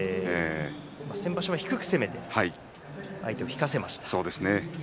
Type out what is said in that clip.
先場所は低く攻めて相手を引かせました。